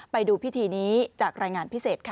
ไปดูพิธีนี้จากรายงานพิเศษค่ะ